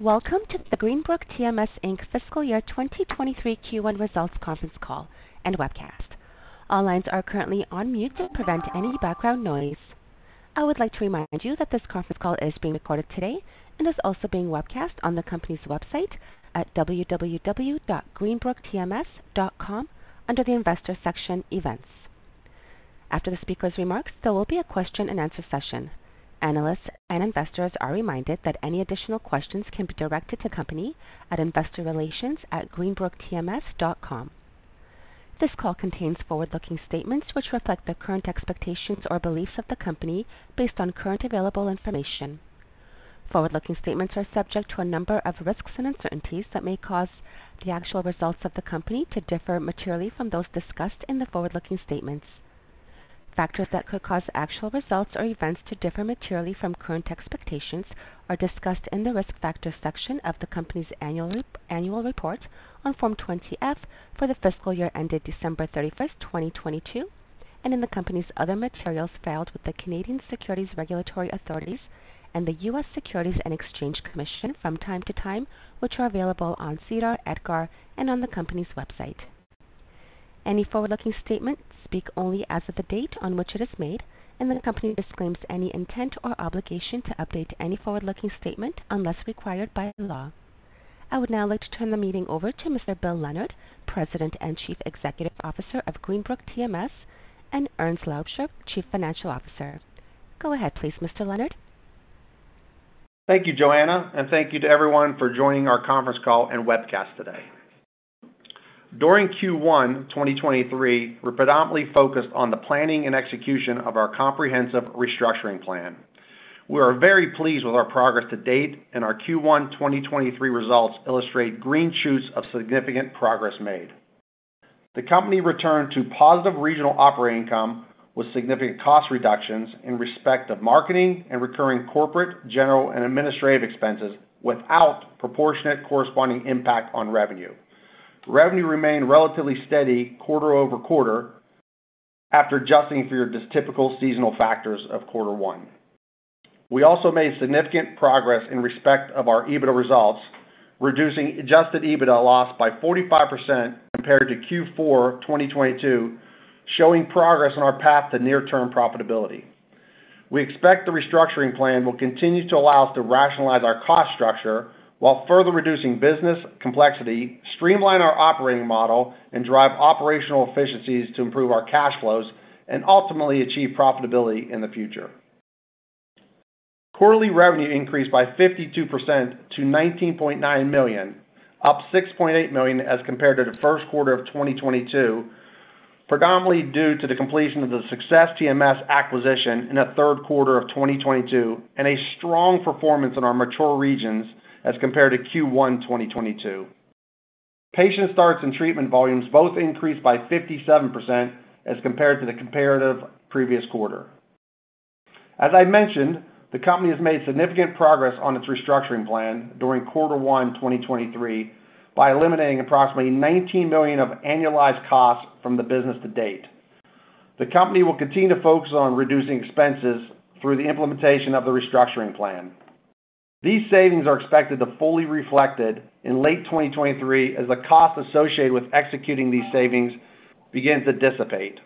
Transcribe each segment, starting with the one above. Welcome to the Greenbrook TMS Inc. fiscal year 2023 Q1 results conference call and webcast. All lines are currently on mute to prevent any background noise. I would like to remind you that this conference call is being recorded today and is also being webcast on the company's website at www.greenbrooktms.com under the Investors section, Events. After the speaker's remarks, there will be a question-and-answer session. Analysts and investors are reminded that any additional questions can be directed to company at investorrelations@greenbrooktms.com. This call contains forward-looking statements which reflect the current expectations or beliefs of the company based on current available information. Forward-looking statements are subject to a number of risks and uncertainties that may cause the actual results of the company to differ materially from those discussed in the forward-looking statements. Factors that could cause actual results or events to differ materially from current expectations are discussed in the Risk Factors section of the company's annual report on Form 20-F for the fiscal year ended December 31, 2022, and in the company's other materials filed with the Canadian securities regulatory authorities and the U.S. Securities and Exchange Commission from time to time, which are available on SEDAR, EDGAR, and on the company's website. Any forward-looking statements speak only as of the date on which it is made, the company disclaims any intent or obligation to update any forward-looking statement unless required by law. I would now like to turn the meeting over to Mr. Bill Leonard, President and Chief Executive Officer of Greenbrook TMS, and Erns Loubser, Chief Financial Officer. Go ahead please, Mr. Leonard. Thank you, Joanna. Thank you to everyone for joining our conference call and webcast today. During Q1 2023, we're predominantly focused on the planning and execution of our comprehensive restructuring plan. We are very pleased with our progress to date, and our Q1 2023 results illustrate green shoots of significant progress made. The company returned to positive regional operating income with significant cost reductions in respect of marketing and recurring Corporate General and Administrative expenses without proportionate corresponding impact on revenue. Revenue remained relatively steady quarter-over-quarter after adjusting for your typical seasonal factors of Q1. We also made significant progress in respect of our EBITDA results, reducing adjusted EBITDA loss by 45% compared to Q4 2022, showing progress on our path to near-term profitability. We expect the restructuring plan will continue to allow us to rationalize our cost structure while further reducing business complexity, streamline our operating model, and drive operational efficiencies to improve our cash flows and ultimately achieve profitability in the future. Quarterly revenue increased by 52% to $19.9 million, up $6.8 million as compared to the Q1 of 2022, predominantly due to the completion of the Success TMS acquisition in the Q3 of 2022 and a strong performance in our mature regions as compared to Q1 2022. Patient starts and treatment volumes both increased by 57% as compared to the comparative previous quarter. As I mentioned, the company has made significant progress on its restructuring plan during Q1 2023 by eliminating approximately $19 million of annualized costs from the business to date. The company will continue to focus on reducing expenses through the implementation of the restructuring plan. These savings are expected to fully reflected in late 2023 as the cost associated with executing these savings begin to dissipate.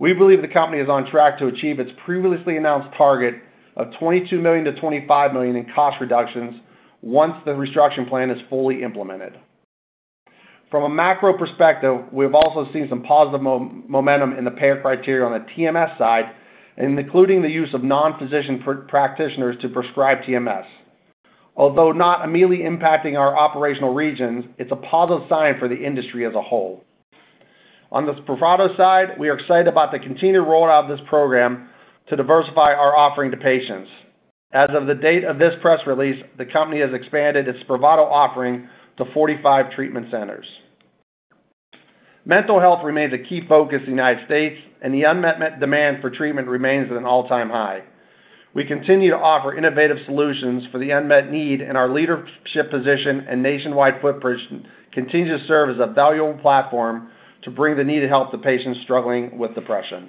We believe the company is on track to achieve its previously announced target of $22 million-$25 million in cost reductions once the restructuring plan is fully implemented. From a macro perspective, we've also seen some positive momentum in the payer criteria on the TMS side, including the use of non-physician practitioners to prescribe TMS. Although not immediately impacting our operational regions, it's a positive sign for the industry as a whole. On the Spravato side, we are excited about the continued rollout of this program to diversify our offering to patients. As of the date of this press release, the company has expanded its Spravato offering to 45 treatment centers. Mental health remains a key focus in the United States, the unmet demand for treatment remains at an all-time high. We continue to offer innovative solutions for the unmet need, our leadership position and nationwide footprint continues to serve as a valuable platform to bring the needed help to patients struggling with depression.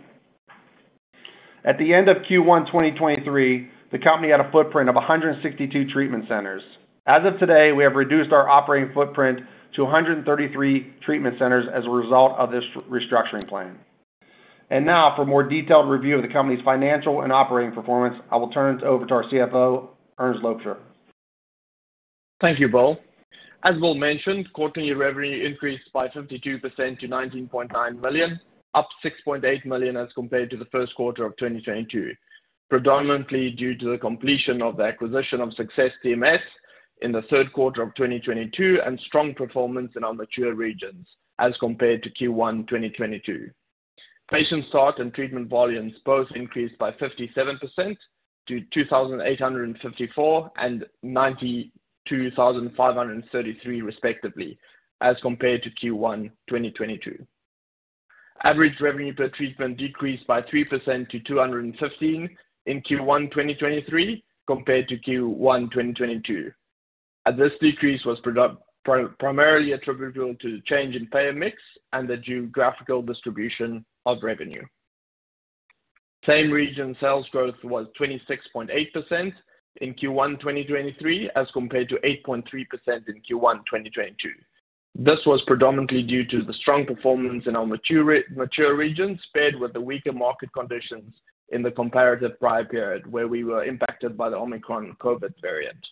At the end of Q1 2023, the company had a footprint of 162 treatment centers. As of today, we have reduced our operating footprint to 133 treatment centers as a result of this restructuring plan. Now for a more detailed review of the company's financial and operating performance, I will turn it over to our CFO, Erns Loubser. Thank you, Bill. As Bill mentioned, quarterly revenue increased by 52% to $19.9 million, up $6.8 million as compared to the Q1 of 2022, predominantly due to the completion of the acquisition of Success TMS in the Q3 of 2022 and strong performance in our mature regions as compared to Q1 2022. Patient start and treatment volumes both increased by 57% to 2,854 and 92,533 respectively as compared to Q1 2022. Average revenue per treatment decreased by 3% to $215 in Q1 2023 compared to Q1 2022. This decrease was primarily attributable to the change in payer mix and the geographical distribution of revenue. Same-Region Sales Growth was 26.8% in Q1 2023 as compared to 8.3% in Q1 2022. This was predominantly due to the strong performance in our mature regions, paired with the weaker market conditions in the comparative prior period where we were impacted by the Omicron COVID variant.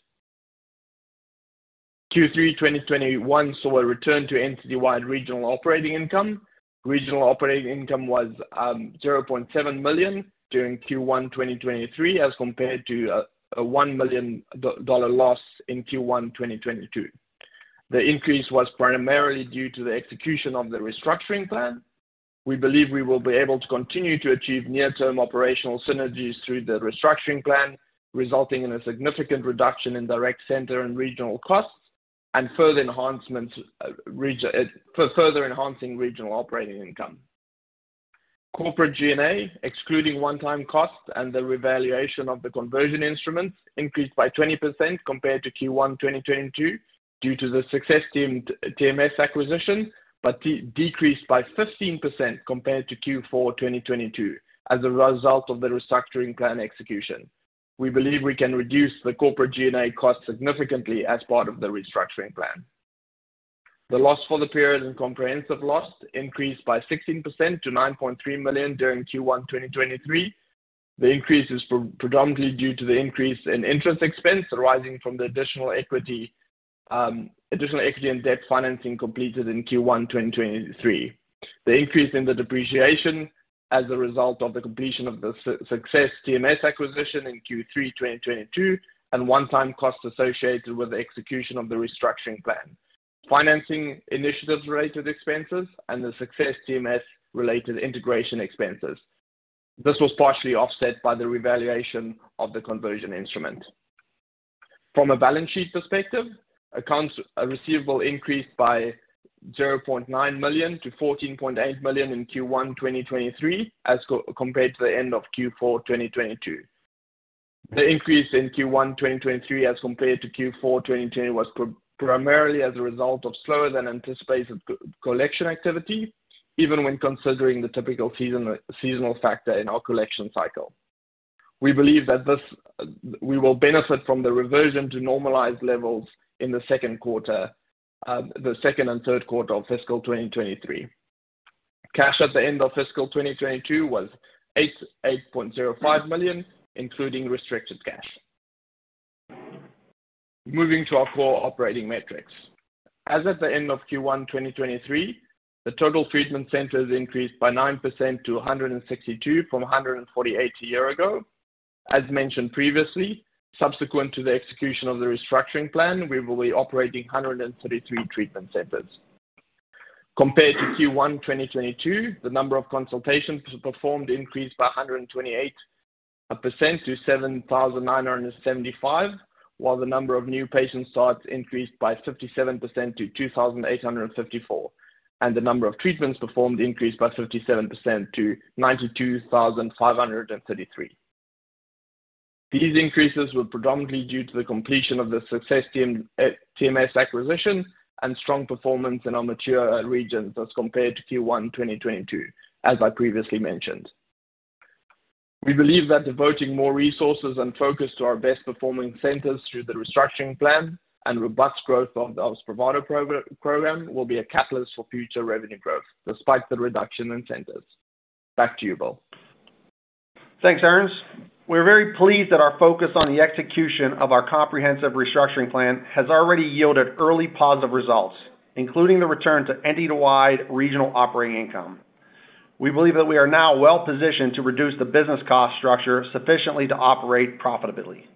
Q3 2021 saw a return to entity wide regional operating income. Regional operating income was $0.7 million during Q1 2023, as compared to a $1 million loss in Q1 2022. The increase was primarily due to the execution of the restructuring plan. We believe we will be able to continue to achieve near-term operational synergies through the restructuring plan, resulting in a significant reduction in direct center and regional costs and further enhancements for further enhancing regional operating income. Corporate G&A, excluding one-time costs and the revaluation of the conversion instruments, increased by 20% compared to Q1 2022 due to the Success TMS acquisition, but decreased by 15% compared to Q4 2022 as a result of the restructuring plan execution. We believe we can reduce the Corporate G&A costs significantly as part of the restructuring plan. The loss for the period and comprehensive loss increased by 16% to $9.3 million during Q1 2023. The increase is predominantly due to the increase in interest expense arising from the additional equity, additional equity and debt financing completed in Q1 2023. The increase in the depreciation as a result of the completion of the Success TMS acquisition in Q3 2022 and one-time costs associated with the execution of the restructuring plan. Financing initiatives related expenses and the Success TMS related integration expenses. This was partially offset by the revaluation of the Conversion Instrument. From a balance sheet perspective, accounts receivable increased by $0.9 million to $14.8 million in Q1 2023 as compared to the end of Q4 2022. The increase in Q1 2023 as compared to Q4 2020 was primarily as a result of slower than anticipated collection activity, even when considering the typical seasonal factor in our collection cycle. We believe that this, we will benefit from the reversion to normalized levels in the Q2, the second and Q3 of fiscal 2023. Cash at the end of fiscal 2022 was $8.05 million, including restricted cash. Moving to our core operating metrics. As at the end of Q1 2023, the total treatment centers increased by 9% to 162 from 148 a year ago. As mentioned previously, subsequent to the execution of the restructuring plan, we will be operating 133 treatment centers. Compared to Q1 2022, the number of consultations performed increased by 128% to 7,975, while the number of new patient starts increased by 57% to 2,854, and the number of treatments performed increased by 57% to 92,533. These increases were predominantly due to the completion of the Success TMS acquisition and strong performance in our mature regions as compared to Q1 2022, as I previously mentioned. We believe that devoting more resources and focus to our best performing centers through the restructuring plan and robust growth of the Spravato program will be a catalyst for future revenue growth despite the reduction in centers. Back to you, Bill. Thanks, Ernst. We're very pleased that our focus on the execution of our comprehensive restructuring plan has already yielded early positive results, including the return to entity-wide regional operating income. We believe that we are now well-positioned to reduce the business cost structure sufficiently to operate profitably.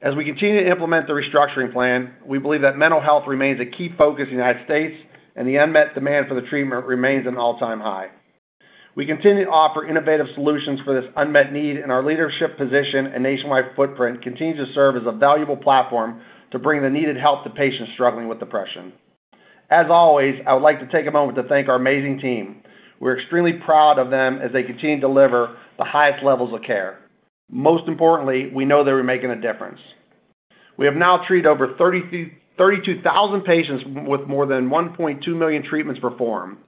As we continue to implement the restructuring plan, we believe that mental health remains a key focus in the United States, and the unmet demand for the treatment remains an all-time high. We continue to offer innovative solutions for this unmet need, and our leadership position and nationwide footprint continues to serve as a valuable platform to bring the needed help to patients struggling with depression. As always, I would like to take a moment to thank our amazing team. We're extremely proud of them as they continue to deliver the highest levels of care. Most importantly, we know that we're making a difference. We have now treated over 32,000 patients with more than 1.2 million treatments performed.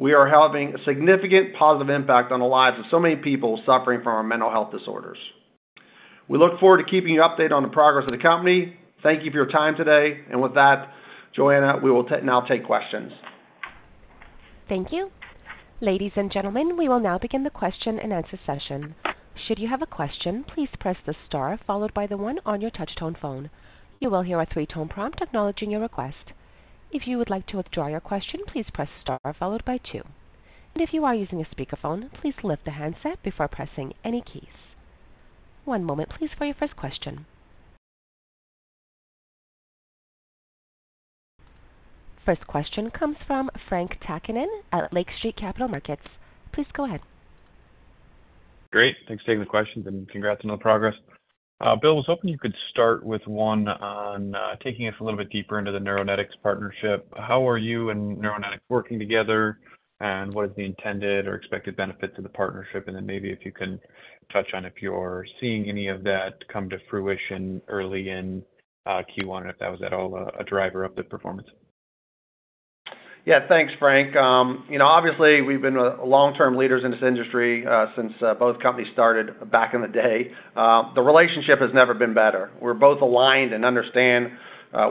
We are having a significant positive impact on the lives of so many people suffering from mental health disorders. We look forward to keeping you updated on the progress of the company. Thank you for your time today. With that, Joanna, we will now take questions. Thank you. Ladies and gentlemen, we will now begin the question-and-answer session. Should you have a question, please press the star followed by the 1 on your touch-tone phone. You will hear a three-tone prompt acknowledging your request. If you would like to withdraw your question, please press star followed by 2. If you are using a speakerphone, please lift the handset before pressing any keys. One moment please for your first question. First question comes from Frank Zaccanelli at Lake Street Capital Markets. Please go ahead. Great. Thanks for taking the questions and congrats on the progress. Bill, I was hoping you could start with one on taking us a little bit deeper into the Neuronetics partnership. How are you and Neuronetics working together, and what is the intended or expected benefit to the partnership? Maybe if you can touch on if you're seeing any of that come to fruition early in Q1, if that was at all a driver of the performance. Yeah. Thanks, Frank. You know, obviously, we've been long-term leaders in this industry since both companies started back in the day. The relationship has never been better. We're both aligned and understand,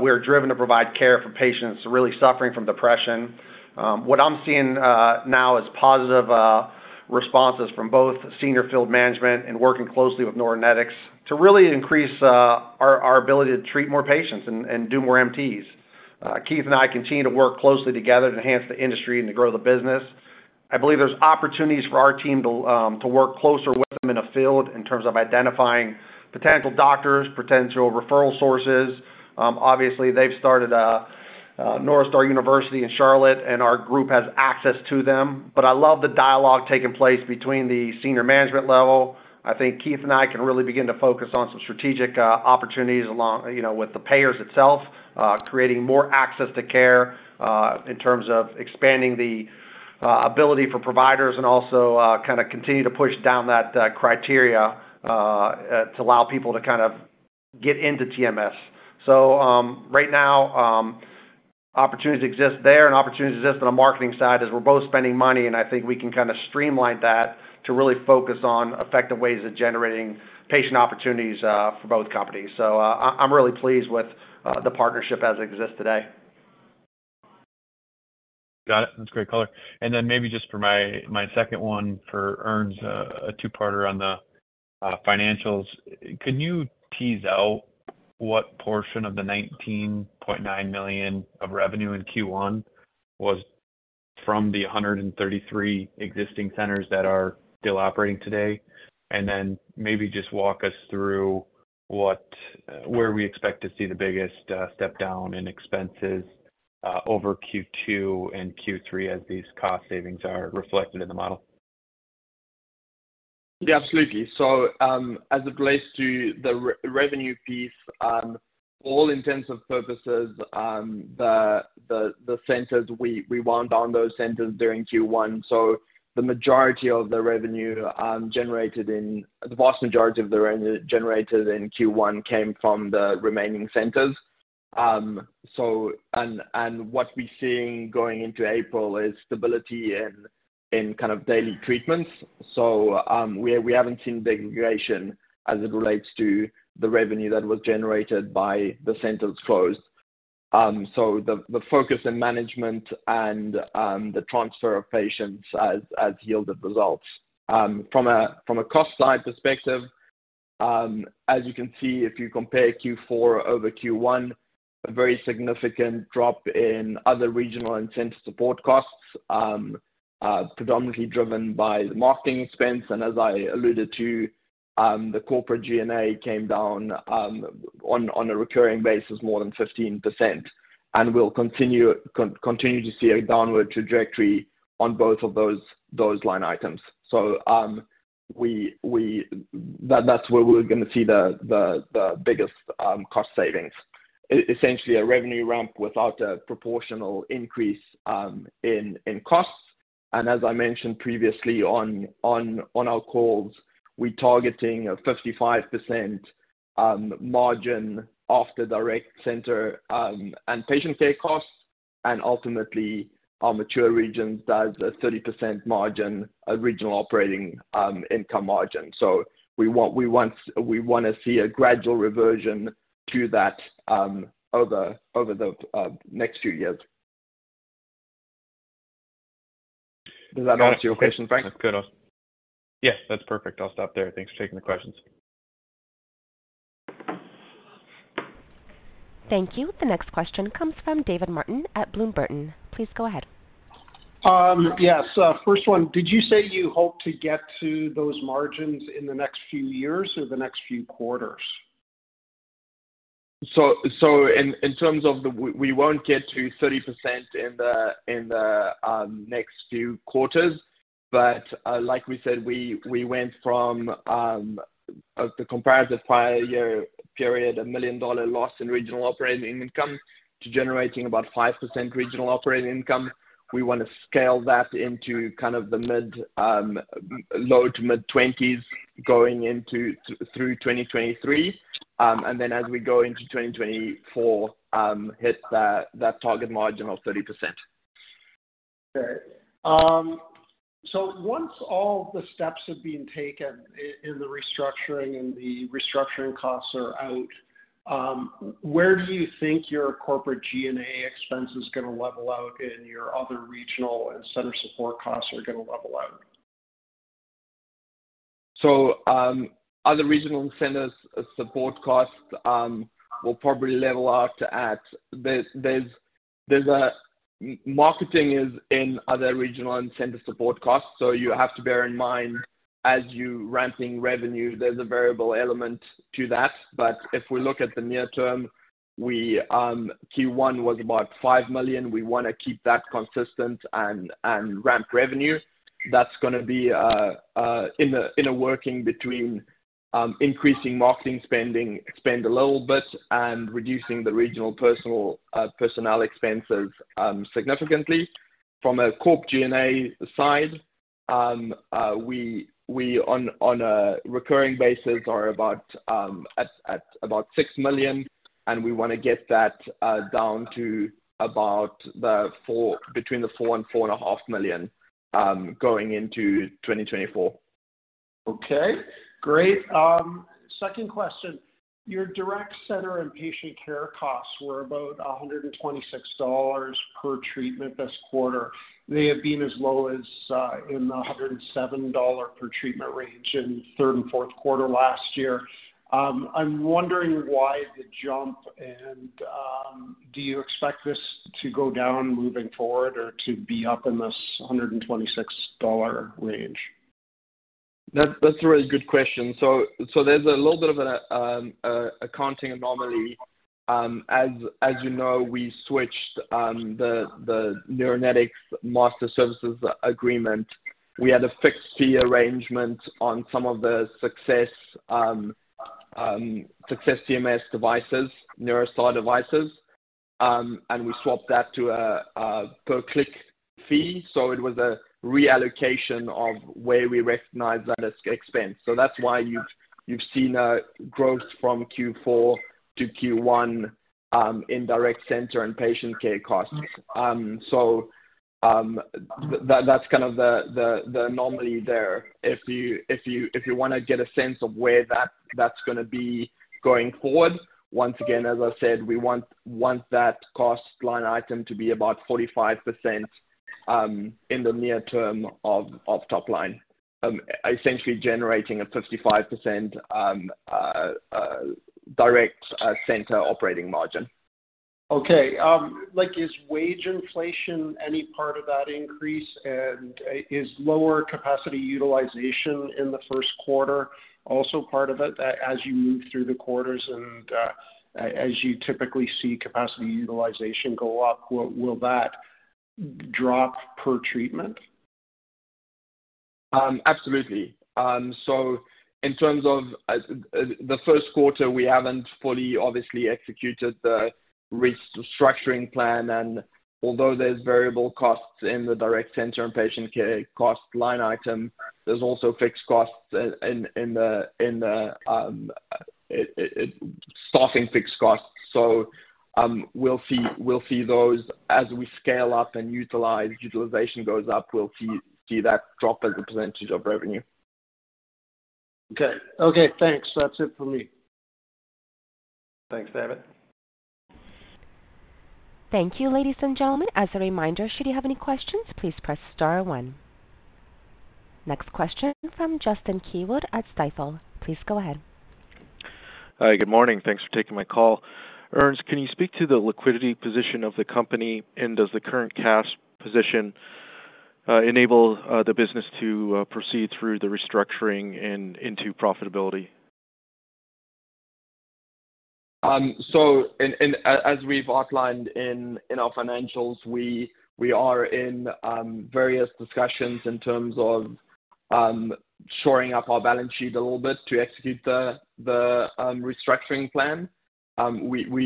we are driven to provide care for patients really suffering from depression. What I'm seeing now is positive responses from both senior field management and working closely with Neuronetics to really increase our ability to treat more patients and do more MTs. Keith and I continue to work closely together to enhance the industry and to grow the business. I believe there's opportunities for our team to work closer with them in the field in terms of identifying potential doctors, potential referral sources. Obviously, they've started NeuroStar University in Charlotte, and our group has access to them. I love the dialogue taking place between the senior management level. I think Keith and I can really begin to focus on some strategic opportunities along, you know, with the payers itself, creating more access to care, in terms of expanding the ability for providers and also, kind of continue to push down that criteria to allow people to kind of get into TMS. Right now, opportunities exist there and opportunities exist on the marketing side as we're both spending money, and I think we can kinda streamline that to really focus on effective ways of generating patient opportunities for both companies. I'm really pleased with the partnership as it exists today. Got it. That's a great color. Then maybe just for my second one for Ernst, a two-parter on the financials. Can you tease out what portion of the $19.9 million of revenue in Q1 was from the 133 existing centers that are still operating today? Then maybe just walk us through where we expect to see the biggest step down in expenses over Q2 and Q3 as these cost savings are reflected in the model. Yeah, absolutely. As it relates to the revenue piece, for all intensive purposes, the centers we wound down those centers during Q1. The vast majority of the revenue generated in Q1 came from the remaining centers. What we're seeing going into April is stability in kind of daily treatments. We haven't seen degradation as it relates to the revenue that was generated by the centers closed. The focus in management and the transfer of patients has yielded results. From a cost side perspective, as you can see, if you compare Q4 over Q1, a very significant drop in other regional and center support costs, predominantly driven by the marketing expense. As I alluded to, the Corporate G&A came down on a recurring basis more than 15%. We'll continue to see a downward trajectory on both of those line items. That's where we're gonna see the biggest cost savings. Essentially, a revenue ramp without a proportional increase in costs. As I mentioned previously on our calls, we're targeting a 55% margin after direct center and patient care costs, and ultimately our mature regions does a 30% margin, regional operating income margin. We want, to see a gradual reversion to that over the next few years. Does that answer your question, Frank? Yes, that's perfect. I'll stop there. Thanks for taking the questions. Thank you. The next question comes from David Martin at Bloomberg. Please go ahead. Yes. first one, did you say you hope to get to those margins in the next few years or the next few quarters? We won't get to 30% in the next few quarters. Like we said, we went from the comparative prior year period, a $1 million loss in regional operating income to generating about 5% regional operating income. We want to scale that into kind of the mid, low to mid-20s going through 2023. As we go into 2024, hit that target margin of 30%. Once all the steps have been taken in the restructuring and the restructuring costs are out, where do you think your Corporate G&A expense is going to level out and your other regional and center support costs are gonna level out? Other regional and centers support costs will probably level out at. Marketing is in other regional and center support costs. You have to bear in mind as you're ramping revenue, there's a variable element to that. If we look at the near term, we Q1 was about $5 million. We want to keep that consistent and ramp revenue. That's gonna be in a working between increasing marketing spending, expand a little bit and reducing the regional personnel expenses significantly. From a Corp G&A side, we on a recurring basis are about $6 million, and we wanna get that down to about between $4 million and $4.5 million going into 2024. Okay, great. Second question. Your direct center and patient care costs were about $126 per treatment this quarter. They have been as low as in the $107 per treatment range in Q3 and Q4 last year. I'm wondering why the jump and do you expect this to go down moving forward or to be up in this $126 range? That's a really good question. There's a little bit of an accounting anomaly. As you know, we switched the Neuronetics master services agreement. We had a fixed fee arrangement on some of the Success TMS devices, NeuroStar devices, and we swapped that to a per-click fee. It was a reallocation of where we recognize that as expense. That's why you've seen a growth from Q4 to Q1 in direct center and patient care costs. That's kind of the anomaly there. If you want to get a sense of where that's going to be going forward, once again, as I said, we want that cost line item to be about 45% in the near term of top line, essentially generating a 55% direct center operating margin. Okay. Like is wage inflation any part of that increase? Is lower capacity utilization in the Q1 also part of it, as you move through the quarters as you typically see capacity utilization go up, will that drop per treatment? Absolutely. In terms of the Q1, we haven't fully obviously executed the restructuring plan. Although there's variable costs in the direct center and patient care cost line item, there's also fixed costs in the staffing fixed costs. We'll see those as we scale up and utilization goes up, we'll see that drop as a percentage of revenue. Okay. Okay, thanks. That's it for me. Thanks, David. Thank you, ladies and gentlemen. As a reminder, should you have any questions, please press star one. Next question from Justin Keywood at Stifel. Please go ahead. Hi. Good morning. Thanks for taking my call. Ernst, can you speak to the liquidity position of the company? Does the current cash position enable the business to proceed through the restructuring and into profitability? As we've outlined in our financials, we are in various discussions in terms of shoring up our balance sheet a little bit to execute the restructuring plan.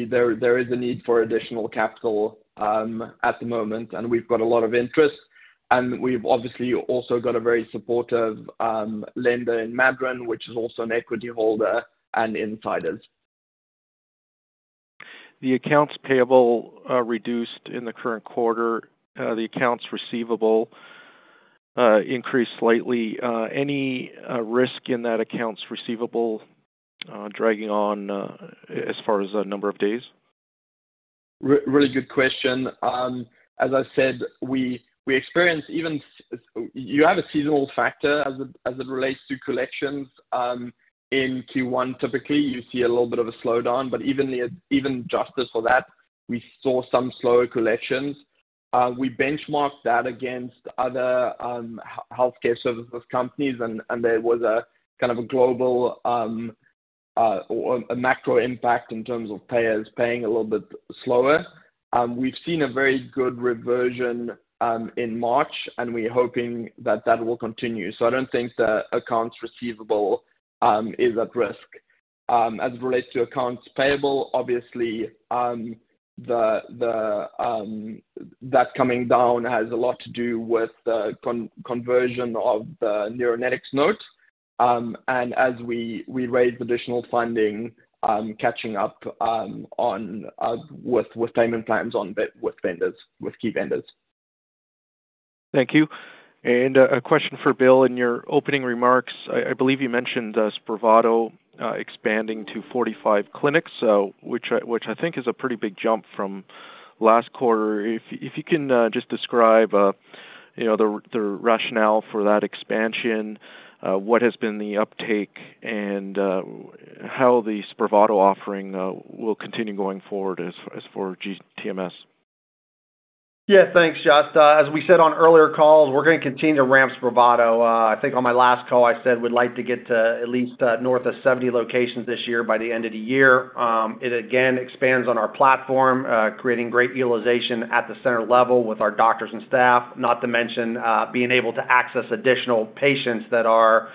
There is a need for additional capital at the moment, and we've got a lot of interest. We've obviously also got a very supportive lender in Madryn, which is also an equity holder and insiders. The accounts payable reduced in the current quarter. The accounts receivable increased slightly. Any risk in that accounts receivable dragging on as far as the number of days? Really good question. As I said, we experienced. You have a seasonal factor as it relates to collections. In Q1, typically, you see a little bit of a slowdown. Even adjusted for that, we saw some slower collections. We benchmarked that against other healthcare services companies, and there was a kind of a global or a macro impact in terms of payers paying a little bit slower. We've seen a very good reversion in March, and we're hoping that that will continue. I don't think the accounts receivable is at risk. As it relates to accounts payable, obviously, that coming down has a lot to do with the conversion of the Neuronetics Note. As we raise additional funding, catching up on payment plans with vendors, with key vendors. Thank you. A question for Bill. In your opening remarks, I believe you mentioned Spravato expanding to 45 clinics, which I think is a pretty big jump from last quarter. If you can just describe, you know, the rationale for that expansion, what has been the uptake and how the Spravato offering will continue going forward as for GTMS? Yeah. Thanks, Justin. As we said on earlier calls, we're going to continue to ramp Spravato. I think on my last call, I said we'd like to get to at least north of 70 locations this year by the end of the year. It again expands on our platform, creating great utilization at the center level with our doctors and staff, not to mention, being able to access additional patients that are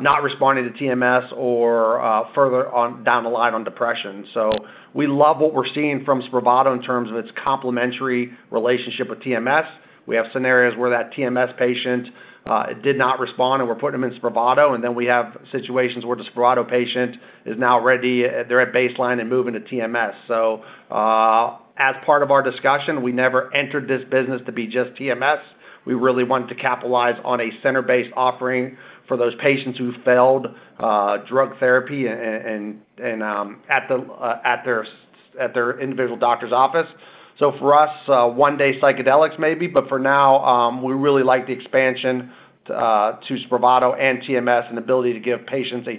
not responding to TMS or further on down the line on depression. We love what we're seeing from Spravato in terms of its complementary relationship with TMS. We have scenarios where that TMS patient did not respond, and we're putting them in Spravato, and then we have situations where the Spravato patient is now ready. They're at baseline and moving to TMS. As part of our discussion, we never entered this business to be just TMS. We really want to capitalize on a center-based offering for those patients who failed drug therapy and at their individual doctor's office. For us, one day psychedelics maybe, but for now, we really like the expansion to Spravato and TMS and the ability to give patients a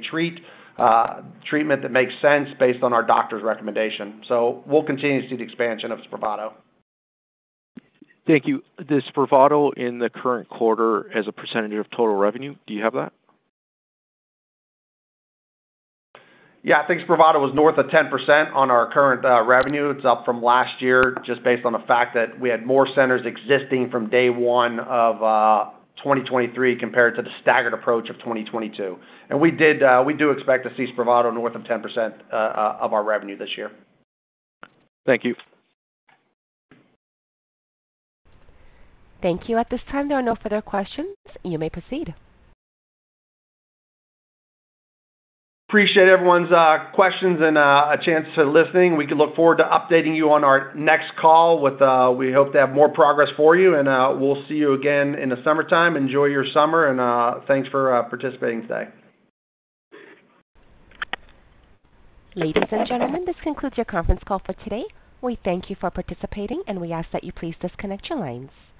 treatment that makes sense based on our doctor's recommendation. We'll continue to see the expansion of Spravato. Thank you. The Spravato in the current quarter as a percentage of total revenue, do you have that? Yeah. I think Spravato was north of 10% on our current revenue. It's up from last year just based on the fact that we had more centers existing from day one of 2023 compared to the staggered approach of 2022. We did, we do expect to see Spravato north of 10% of our revenue this year. Thank you. Thank you. At this time, there are no further questions. You may proceed. Appreciate everyone's questions and a chance to listening. We can look forward to updating you on our next call with, we hope to have more progress for you. We'll see you again in the summertime. Enjoy your summer and thanks for participating today. Ladies and gentlemen, this concludes your conference call for today. We thank you for participating, and we ask that you please disconnect your lines.